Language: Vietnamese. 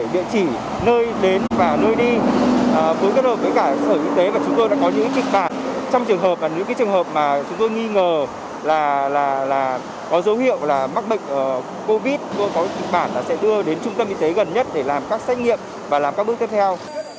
là có dấu hiệu mắc bệnh covid chúng tôi có địch bản sẽ đưa đến trung tâm y tế gần nhất để làm các xét nghiệm và làm các bước tiếp theo